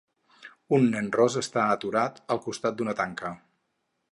Un nen ros està aturat al costat d'una tanca.